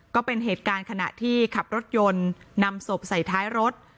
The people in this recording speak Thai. ก็เป็นเหตุการณ์ขณะที่ขับรถยนต์นำศพใส่ท้ายรถ